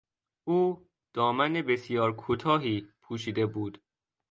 او دامن بسیار کوتاهی پوشیده بود.